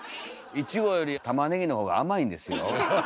いちごよりたまねぎの方が甘いんですよ？